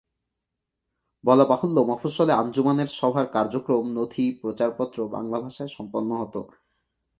বলা বাহুল্য, মফস্বলে আঞ্জুমানের সভার কার্যক্রম, নথি, প্রচারপত্র বাংলা ভাষায় সম্পন্ন হতো।